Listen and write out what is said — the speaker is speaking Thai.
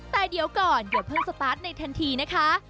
แต่เดี๋ยวก่อนเดี๋ยวเพิ่งสตาร์ทในทันทีนะคะ